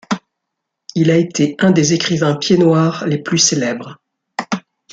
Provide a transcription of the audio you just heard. Il a été un des écrivains pieds-noirs les plus célèbres.